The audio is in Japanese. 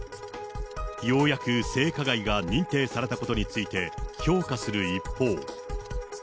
ようやく性加害が認定されたことについて、評価する一方。